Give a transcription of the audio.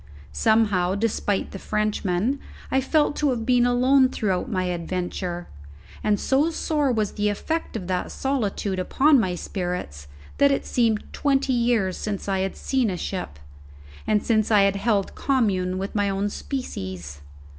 Somehow, despite the Frenchman, I felt to have been alone throughout my adventure; and so sore was the effect of that solitude upon my spirits that it seemed twenty years since I had seen a ship, and since I had held commune with my own species.